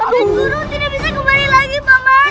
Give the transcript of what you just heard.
amin guru tidak bisa kembali lagi pak man